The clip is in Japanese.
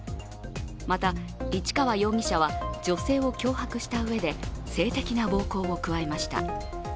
また、市川容疑者は女性を脅迫したうえで性的な暴行を加えました。